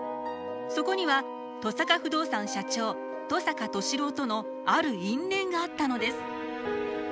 そこには登坂不動産社長登坂寿郎とのある因縁があったのです。